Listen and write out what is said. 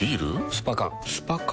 スパ缶スパ缶？